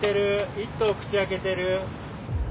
１頭口開けてる。